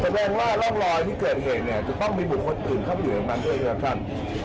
แสดงว่าร่องรอยที่เกิดเหตุเนี่ยจะต้องมีบุคคลอื่นเข้าไปอยู่ในนั้นด้วยครับท่าน